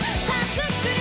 スクれ！